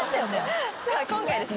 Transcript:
さあ今回ですね